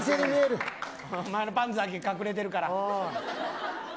おまえのパンツだけ隠れてるから。